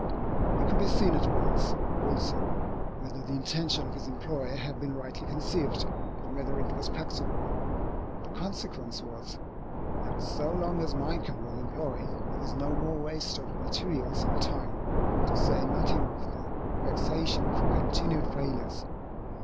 It could be seen at once, also, whether the intention of his employer had been rightly conceived, and whether it was practicable. The consequence was, that so long as Michael was employed, there was no more waste of materials and time, to say nothing of the vexation of continued failures.